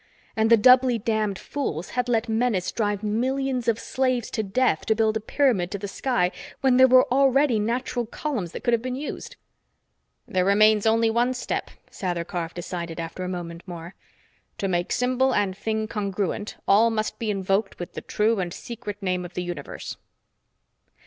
And the doubly damned fools had let Menes drive millions of slaves to death to build a pyramid to the sky when there were already natural columns that could have been used! "There remains only one step," Sather Karf decided after a moment more. "To make symbol and thing congruent, all must be invoked with the true and secret name of the universe."